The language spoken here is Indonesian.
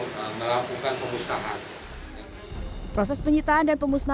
proses penyitaan dan pemusnahan produk yang melakukan peraturan ini adalah untuk membuat perusahaan yang lebih mudah